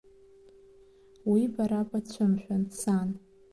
Уи бара бацәымшәан, сан!